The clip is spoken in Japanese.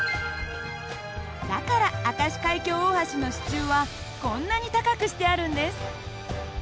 だから明石海峡大橋の支柱はこんなに高くしてあるんです。